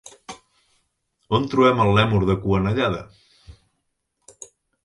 On trobem el lèmur de cua anellada?